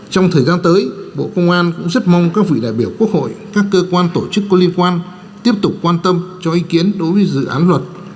trong thời gian tới bộ công an cũng rất mong các vị đại biểu quốc hội các cơ quan tổ chức có liên quan tiếp tục quan tâm cho ý kiến đối với dự án luật